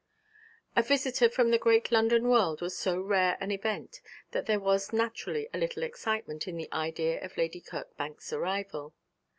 A visitor from the great London world was so rare an event that there was naturally a little excitement in the idea of Lady Kirkbank's arrival.